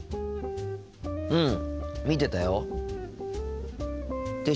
うん見てたよ。って